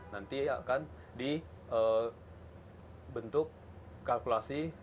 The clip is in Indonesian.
nanti akan dibentuk kalkulasi